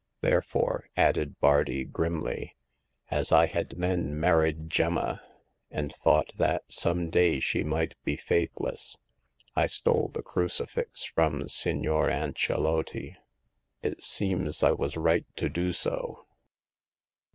Therefore," added Bardi, grimly, "as I had then married Gemma, and thought that some day she might be faithless, I stole the crucifix from Signor Ancillotti. It seems I was right to do so."